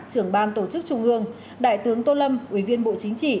trưởng ban tổ chức trung ương đại tướng tô lâm ủy viên bộ chính trị